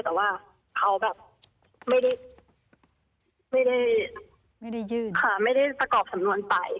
แต่ว่าเขาแบบไม่ได้สะกอบสำนวนไป